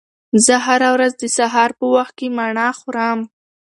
زه هره ورځ د سهار په وخت کې مڼه خورم.